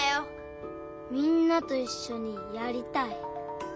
みんなといっしょにやりたい。